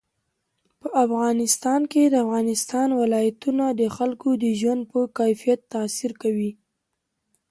په افغانستان کې د افغانستان ولايتونه د خلکو د ژوند په کیفیت تاثیر کوي.